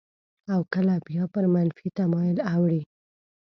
او کله بیا پر منفي تمایل اوړي.